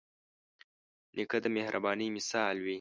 نیکه د مهربانۍ مثال وي.